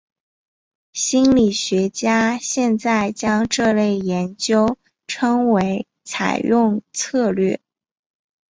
心理学家现在将这类研究称为采用策略。